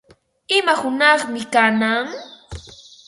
¿Ima hunaqmi kanan?